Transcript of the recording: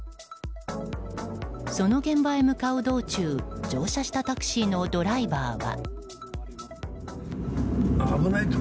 その現場へ向かう道中乗車したタクシーのドライバーは。